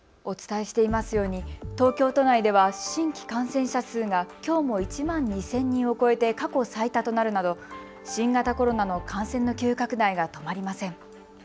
お伝えしていますように東京都内では新規感染者数がきょうも１万２０００人を超えて過去最多となるなど新型コロナの感染の急拡大が止まりません。